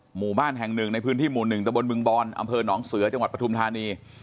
หมู่บ้านแห่งหนึ่งในพื้นที่หมู่๑ตะบนบึงบอนอำเภอหนองเสือจังหวัดปฐุมธานี